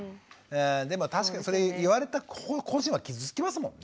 でも確かにそれ言われた個人は傷つきますもんね。